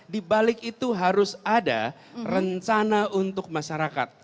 di balik itu harus ada rencana untuk masyarakat